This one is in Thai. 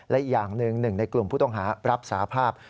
และอีกอย่างหนึ่งหนึ่งในกลุ่มผู้ต้องหารับสาภาพ